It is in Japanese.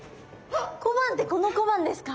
小判ってこの小判ですか？